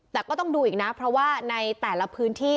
แต่ก็ต้องดูอีกนะเพราะว่าในแต่ละพื้นที่